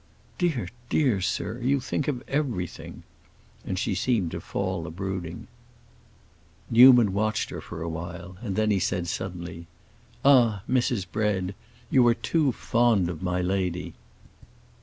"Dear, dear, sir, you think of everything." And she seemed to fall a brooding. Newman watched her a while, and then he said suddenly. "Ah, Mrs. Bread, you are too fond of my lady!"